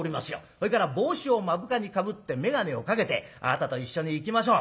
それから帽子を目深にかぶって眼鏡をかけてあなたと一緒に行きましょう。